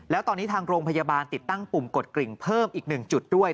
แล้วตอนนี้ทางโรงพยาบาลติดตั้งปุ่มกดกริ่งเพิ่มอีก๑จุดด้วย